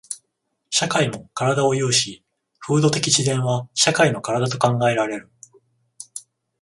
社会も身体を有し、風土的自然は社会の身体と考えられる。